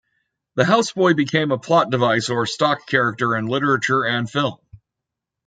The houseboy became a plot device or stock character in literature and film.